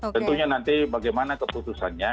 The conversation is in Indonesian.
tentunya nanti bagaimana keputusannya